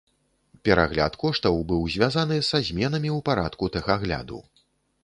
Перагляд коштаў быў звязаны са зменамі ў парадку тэхагляду.